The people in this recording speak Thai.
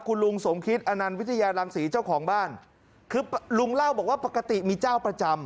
คุณลุงสมคิดอนันต์วิทยารังศรีเจ้าของบ้านคือลุงเล่าบอกว่าปกติมีเจ้าประจำ